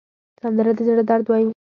سندره د زړه درد وایي